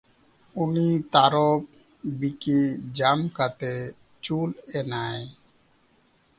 ᱩᱱᱤ ᱛᱟᱨᱚᱵ ᱵᱤᱠᱤ ᱡᱟᱢ ᱠᱟᱛᱮ ᱪᱩᱞ ᱮᱱᱟᱭ ᱾